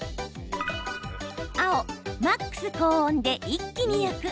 青・マックス高温で一気に焼く。